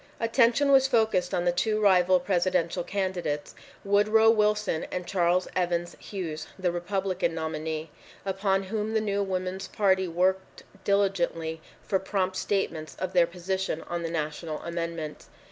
Attention was focussed on the two rival presidential candidates, Woodrow Wilson and Charles Evans Hughes, the Republican nominee, upon whom the new Woman's Party worked diligently for prompt statements of their position on the national amendment.